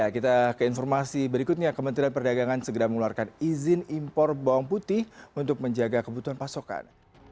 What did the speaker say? kita ke informasi berikutnya kementerian perdagangan segera mengeluarkan izin impor bawang putih untuk menjaga kebutuhan pasokan